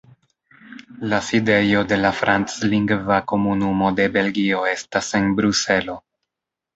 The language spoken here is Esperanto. La sidejo de la Franclingva Komunumo de Belgio estas en Bruselo.